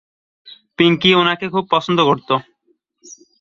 পিঙ্কি উনাকে খুব পছন্দ করতো।